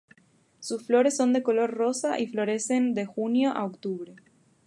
Sus flores son de color rosa y florecen de junio a octubre.